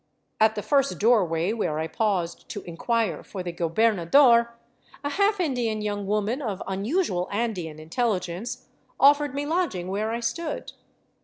At the first doorway where I paused to inquire for the goberna dor, a half Indian young woman of unusual Andean intelligence offered me lodging where I stood.